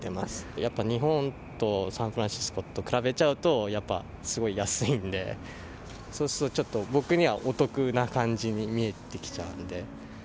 やっぱ日本とサンフランシスコと比べちゃうと、やっぱすごい安いんで、そうすると、ちょっと僕にはお得な感じに見えてきちゃうんで。